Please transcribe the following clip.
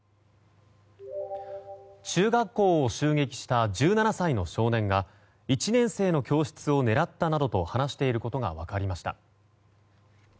中学校を襲撃した１７歳の少年が１年生の教室を狙ったなどと話していることが分かりました。